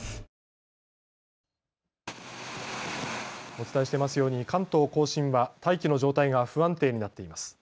お伝えしていますように関東甲信は大気の状態が不安定になっています。